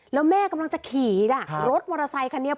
แล้วแม่กำลังจะขี่รถมอเตอร์ไซคันนี้